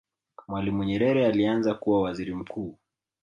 mwalimu nyerere alianza kuwa waziri mkuu